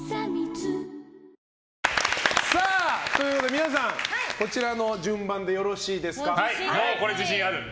皆さん、こちらの順番でよろしいですか？